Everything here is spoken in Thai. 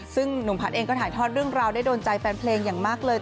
ซึ่งหนุ่มพัฒน์เองก็ถ่ายทอดเรื่องราวได้โดนใจแฟนเพลงอย่างมากเลย